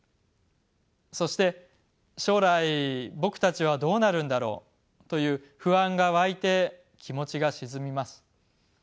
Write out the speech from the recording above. そして将来僕たちはどうなるんだろうという不安がわいて気持ちが沈みます。